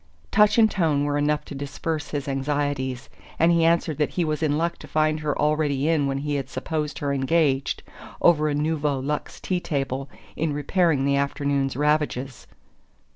Touch and tone were enough to disperse his anxieties, and he answered that he was in luck to find her already in when he had supposed her engaged, over a Nouveau Luxe tea table, in repairing the afternoon's ravages.